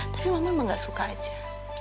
tapi mama emang gak suka aja